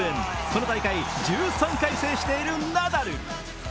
この大会１３回制しているナダル。